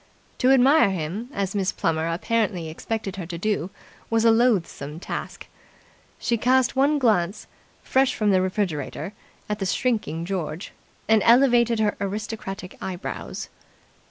To admire him, as Miss Plummer apparently expected her to do, was a loathsome task. She cast one glance, fresh from the refrigerator, at the shrinking George, and elevated her aristocratic eyebrows.